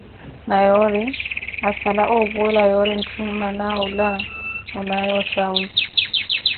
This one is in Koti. Na yoori ahisala opuwela yoori ntthu mmana awula onaaye oxawi.